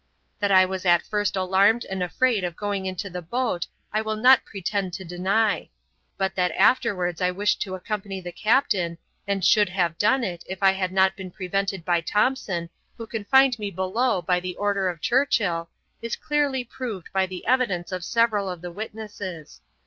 That I was at first alarmed and afraid of going into the boat I will not pretend to deny; but that afterwards I wished to accompany the captain, and should have done it, if I had not been prevented by Thompson, who confined me below by the order of Churchill, is clearly proved by the evidence of several of the witnesses.